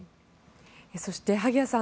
そして、萩谷さん